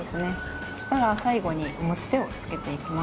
そしたら最後に持ち手を付けていきます。